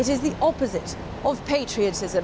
itu adalah yang berbalik dari patriotisme